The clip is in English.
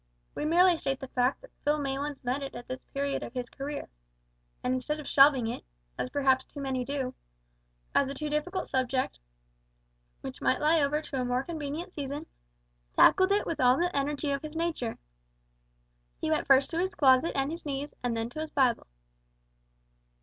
We merely state the fact that Phil Maylands met it at this period of his career, and, instead of shelving it as perhaps too many do as a too difficult subject, which might lie over to a more convenient season, tackled it with all the energy of his nature. He went first to his closet and his knees, and then to his Bible.